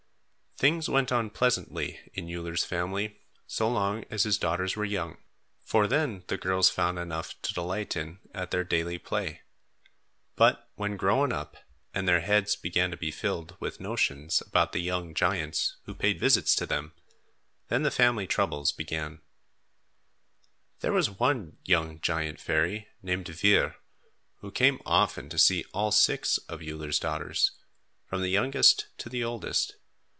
Things went on pleasantly in Uller's family so long as his daughters were young, for then the girls found enough to delight in at their daily play. But when grown up and their heads began to be filled with notions about the young giants, who paid visits to them, then the family troubles began. [Illustration: YET ALL THE TIME HE WAS CALLING ON HUMAN BEINGS TO HARNESS HIM TO WHEELS] There was one young giant fairy named Vuur, who came often to see all six of Uller's daughters, from the youngest to the oldest.